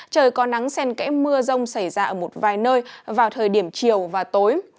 trời có nắng sen kẽ mưa rông xảy ra ở một vài nơi vào thời điểm chiều và tối